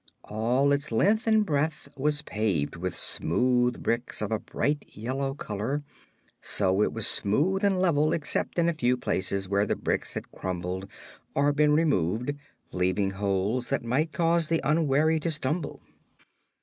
All its length and breadth was paved with smooth bricks of a bright yellow color, so it was smooth and level except in a few places where the bricks had crumbled or been removed, leaving holes that might cause the unwary to stumble.